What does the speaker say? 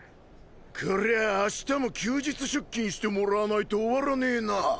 こりゃ明日も休日出勤してもらわないと終わらねぇな。